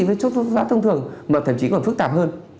với thuốc lá thông thường mà thậm chí còn phức tạp hơn